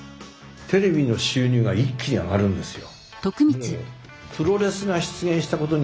テレビの収入が一気に上がるんですよ。